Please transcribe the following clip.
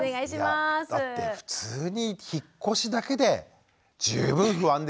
だって普通に引っ越しだけで十分不安ですよ。